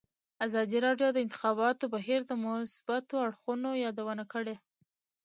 ازادي راډیو د د انتخاباتو بهیر د مثبتو اړخونو یادونه کړې.